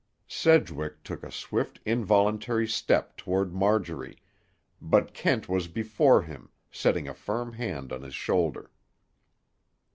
Sedgwick took a swift involuntary step toward Marjorie, but Kent was before him, setting a firm hand on his shoulder.